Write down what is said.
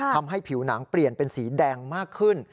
ทำให้ผิวหนังเปลี่ยนเป็นสีแดงมากขึ้น